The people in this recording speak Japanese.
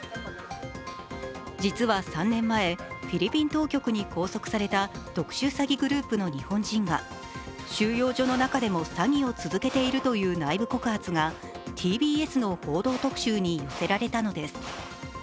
実は３年前、フィリピン当局に拘束された特殊詐欺グループの日本人が収容所の中でも詐欺を続けているという内部告発がＴＢＳの「報道特集」に寄せられたのです。